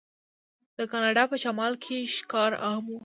د کاناډا په شمال کې ښکار عام و.